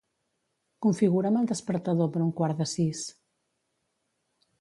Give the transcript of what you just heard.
Configura'm el despertador per un quart de sis.